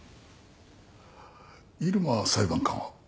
入間裁判官は？